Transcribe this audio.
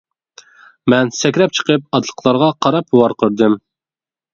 مەن سەكرەپ چىقىپ ئاتلىقلارغا قاراپ ۋارقىرىدىم.